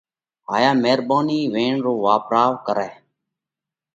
هائِيا ميرڀونِي ويڻ رو واپراوَ ڪرئہ۔